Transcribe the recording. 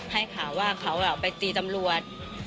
ให้ข่าวว่าเขาไปตีตำรวจ